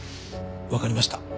わかりました。